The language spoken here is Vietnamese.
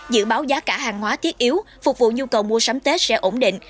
dự báo giá cả hàng hóa thiết yếu phục vụ nhu cầu mua sắm tết sẽ ổn định